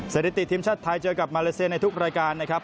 สถิติทีมชาติไทยเจอกับมาเลเซียในทุกรายการนะครับ